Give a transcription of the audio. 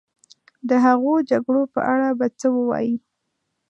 د هغو جګړو په اړه به څه ووایې.